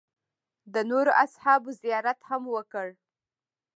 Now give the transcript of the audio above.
د نورو اصحابو زیارت هم وکړ.